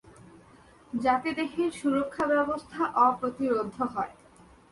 যাতে দেহের সুরক্ষাব্যবস্থা অপ্রতিরোধ্য হয়!